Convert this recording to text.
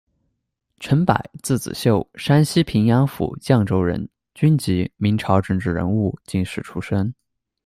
陈栢，字子秀，山西平阳府绛州人，军籍，明朝政治人物、进士出身。